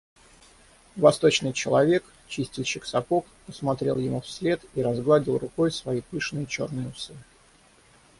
Восточный человек, чистильщик сапог, посмотрел ему вслед и разгладил рукой свои пышные черные усы.